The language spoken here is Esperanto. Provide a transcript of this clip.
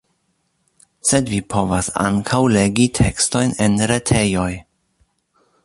Sed vi povas ankaŭ legi tekstojn en retejoj.